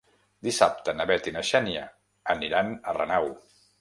Dissabte na Bet i na Xènia aniran a Renau.